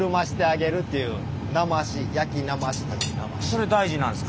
それ大事なんですか？